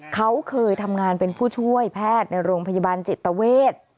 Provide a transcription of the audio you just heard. เขาเคยทำงานเป็นผู้ช่วยแพทย์ในโรงพยาบาลจิตเวท